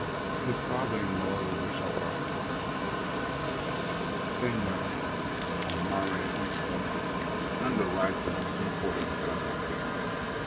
His father-in-law was Richard Bache, Senior a marine insurance underwriter and importer in Philadelphia.